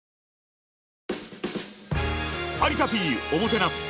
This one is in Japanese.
「有田Ｐおもてなす」。